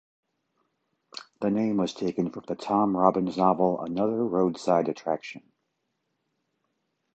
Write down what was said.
The name was taken from the Tom Robbins novel "Another Roadside Attraction".